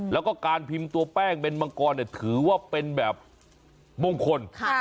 แล้วก็การพิมพ์ตัวแป้งเป็นมังกรถือว่าเป็นแบบมงคล